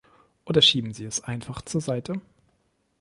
Oder schieben Sie es einfach zur Seite?